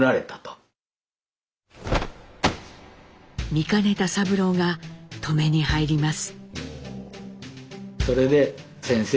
見かねた三郎が止めに入ります。